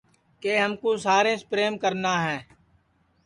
کہ ہم کُو ساریںٚس پریم کرنا ہے